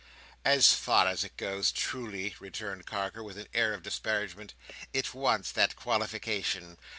"As far as it goes, truly," returned Carker, with an air of disparagement. "It wants that qualification.